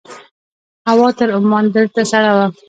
هوا تر عمان دلته سړه وه.